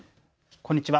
こんにちは。